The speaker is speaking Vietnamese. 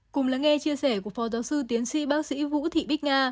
cùng lắng nghe chia sẻ của phó giáo sư tiến sĩ bác sĩ vũ thị bích nga